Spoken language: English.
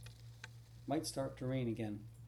Might start to rain again.